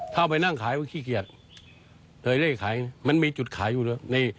เอาไปนั่งขายก็ขี้เกียจเตยเลขขายมันมีจุดขายอยู่ด้วย